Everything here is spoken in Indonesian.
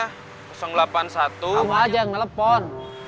kamu saja tidak perlu menelepon